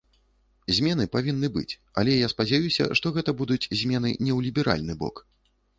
Змены павінны быць, але я спадзяюся, што гэта будуць змены не ў ліберальны бок.